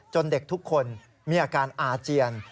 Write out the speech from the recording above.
เด็กทุกคนมีอาการอาเจียน